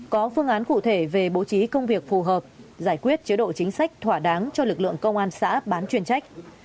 có phương án cụ thể về bố trí công việc phù hợp giải quyết chế độ chính sách thỏa đáng cho lực lượng công an xã bán chuyên trách